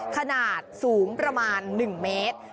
ขนาดสูงประมาณ๑เมตร